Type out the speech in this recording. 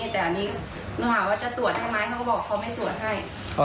แต่อันนี้หนูถามว่าจะตรวจให้ไหมหนูก็บอกเขาไม่ตรวจให้